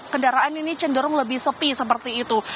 kendaraan ini cenderung lebih sepi seperti itu